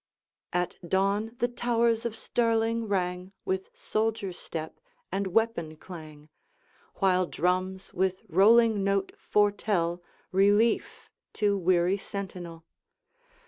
At dawn the towers of Stirling rang With soldier step and weapon clang, While drums with rolling note foretell Relief to weary sentinel.